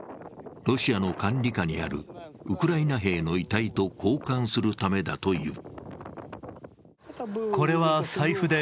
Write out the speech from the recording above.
ロシアの管理下にあるウクライナ兵の遺体と交換するためだという。